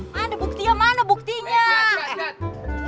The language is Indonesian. mana buktinya mana buktinya